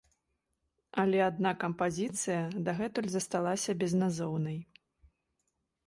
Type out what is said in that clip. Але адна кампазіцыя дагэтуль засталася безназоўнай.